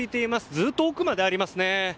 ずっと奥までありますね。